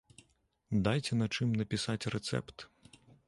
Дайце на чым напісаць рэцэпт.